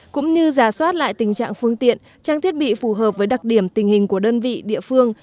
cũng như giả soát lại tình trạng phương tiện trang thiết bị phù hợp với đặc điểm tình hình của đơn vị địa phương